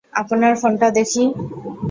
আপনার ফোনটা দেখি।